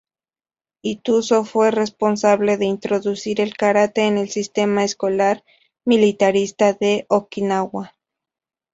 Itosu fue responsable de introducir el Karate en el sistema escolar militarista de Okinawa.